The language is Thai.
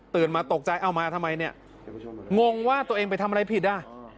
มาตกใจเอามาทำไมเนี่ยงงว่าตัวเองไปทำอะไรผิดอ่ะ